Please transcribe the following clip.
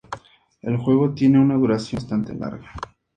El juego tiene una duración bastante larga.